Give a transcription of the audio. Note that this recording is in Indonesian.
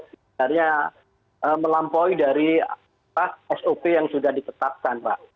sebenarnya melampaui dari sop yang sudah ditetapkan pak